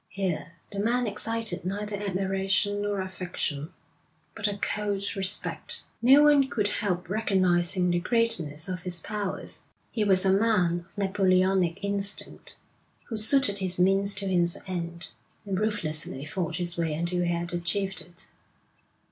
Here the man excited neither admiration nor affection, but a cold respect. No one could help recognising the greatness of his powers. He was a man of Napoleonic instinct, who suited his means to his end, and ruthlessly fought his way until he had achieved it.